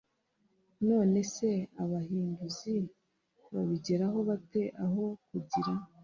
none se abahinduzi babigeraho bate aho kugira